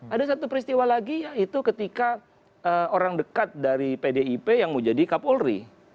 ada satu peristiwa lagi yaitu ketika orang dekat dari pdip yang mau jadi kapolri